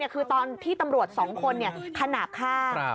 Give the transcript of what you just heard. คือตอนที่ตำรวจ๒คนขนาดข้าง